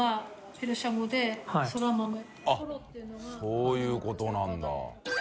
△そういうことなんだ。